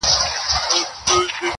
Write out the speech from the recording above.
ا ويل په ښار کي چيرې اور دی لگېدلی,